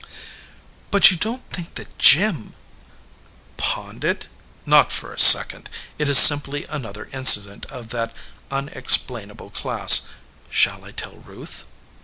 "But you don t think that Jim " "Pawned it? Not for a second. It is simply another incident of that unexplainable class. Shall I tell Ruth?"